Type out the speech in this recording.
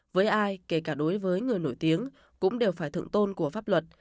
với ai kể cả đối với người nổi tiếng cũng đều phải thượng tôn của pháp luật